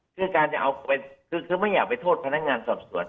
คือการจะเอาคือไม่อยากไปโทษพนักงานสอบสวน